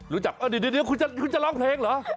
รู้จักคุณจะร้องเพลงเหรอ